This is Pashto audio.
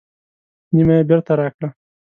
نیمه یې بېرته راکړه.